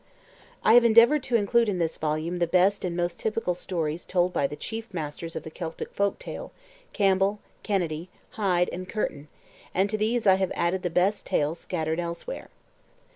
I have endeavoured to include in this volume the best and most typical stories told by the chief masters of the Celtic folk tale, Campbell, Kennedy, Hyde, and Curtin, and to these I have added the best tales scattered elsewhere.